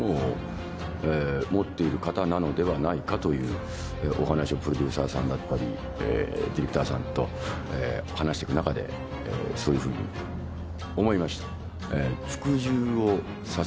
ではないかというお話をプロデューサーさんだったりディレクターさんと話してく中でそういうふうに思いました。